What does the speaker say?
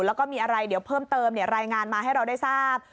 แล้วก็มีอะไรเดี๋ยวเพิ่มเติมรายงานมาให้เราได้ทราบ